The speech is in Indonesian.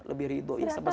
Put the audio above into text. lebih ridho ya sama suami